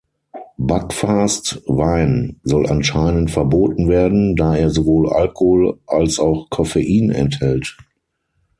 Buckfast Wein soll anscheinend verboten werden, da er sowohl Alkohol als auch Koffein enthält.